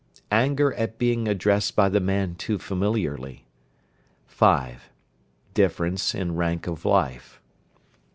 Anger at being addressed by the man too familiarly. 5. Difference in rank of life.